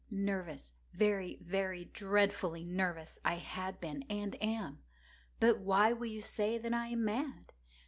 —nervous—very, very dreadfully nervous I had been and am; but why will you say that I am mad?